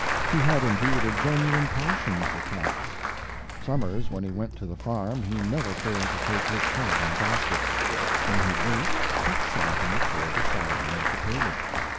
He had indeed a genuine passion for cats; summers when he went to the farm he never failed to take his cat in a basket. When he ate, it sat in a chair beside him at the table.